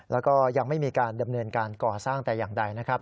แล้วก็ยังไม่มีการดำเนินการก่อสร้างแต่อย่างใดนะครับ